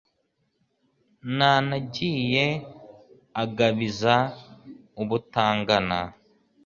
Ntanagiye agabiza u Butangana.